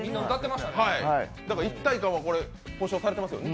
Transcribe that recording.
だから一体感は保障されてますよね。